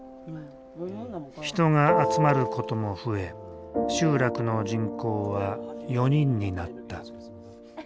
人が集まることも増え集落の人口は４人になった。